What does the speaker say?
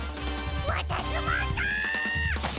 わたすもんか！